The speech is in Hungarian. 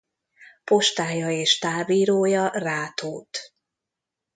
Postája és távírója Rátót.